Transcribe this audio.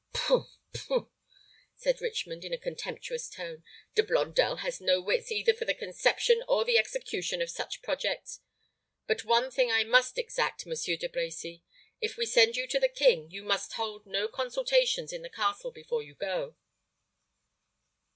"Pooh, pooh!" said Richmond, in a contemptuous tone. "De Blondel has no wits either for the conception or the execution of such projects. But one thing I must exact, Monsieur De Brecy: if we send you to the king, you must hold no consultations in the castle before you go."